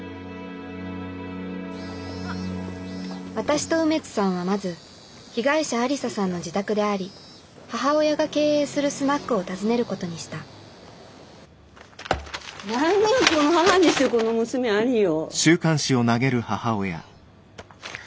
私と梅津さんはまず被害者愛理沙さんの自宅であり母親が経営するスナックを訪ねることにした何が「この母にしてこの娘あり」よ！